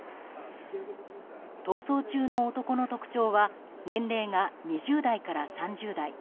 逃走中の男の特徴は年齢が２０代から３０代。